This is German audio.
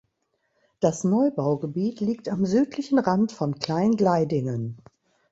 Das Neubaugebiet liegt am südlichen Rand von Klein Gleidingen.